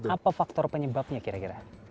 apa faktor penyebabnya kira kira